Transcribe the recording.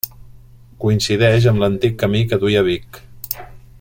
Coincideix amb l'antic camí que duia a Vic.